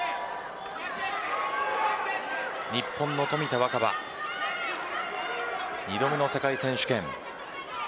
日本の冨田若春２度目の世界選手権。